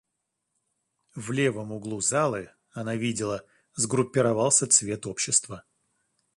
В левом углу залы, она видела, сгруппировался цвет общества.